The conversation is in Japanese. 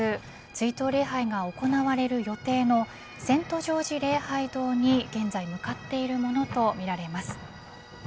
追悼礼拝が行われる予定のセント・ジョージ礼拝堂に現在向かっているものとみられます。